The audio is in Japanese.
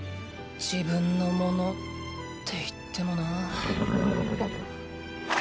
自分のものって言ってもなあ。